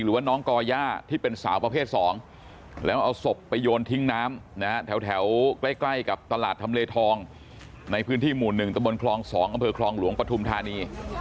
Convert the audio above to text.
หรือว่าน้องก่อย่าที่เป็นสาวประเภท๒แล้วเอาศพไปโยนทิ้งน้ำนะฮะแถวใกล้กับตลาดทำเลทองในพื้นที่หมู่๑ตะบนคลอง๒อำเภอคลองหลวงปฐุมธานี